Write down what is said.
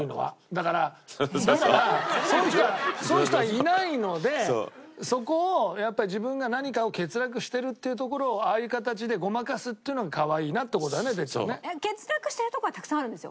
だからだからそういう人はそういう人はいないのでそこをやっぱり自分が何かを欠落してるっていうところをああいう形でごまかすっていうのがかわいいなって事だよね哲ちゃんね。欠落してるとこはたくさんあるんですよ。